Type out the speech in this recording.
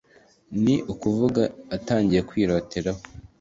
ni ukuvuga atangiye kwiroteraho,